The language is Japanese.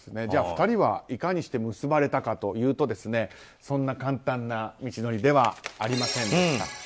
２人はいかにして結ばれたかというとそんな簡単な道のりではありませんでした。